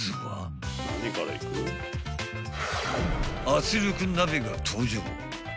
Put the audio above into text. ［圧力鍋が登場］